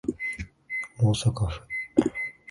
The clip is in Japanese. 大阪府